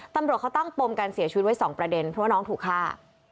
ตำรวจเขาตั้งปมการเสียชีวิตไว้๒ประเด็นเพราะว่าน้องถูกฆ่า